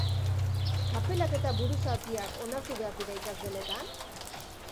Kapelak eta buruzapiak onartu behar dira ikasgeletan?